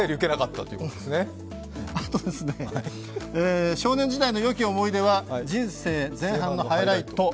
あと、「少年時代のよき思い出は人生最大のハイライト」。